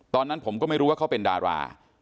ตอนนั้นผมก็ไม่รู้ว่าเขาเป็นดารา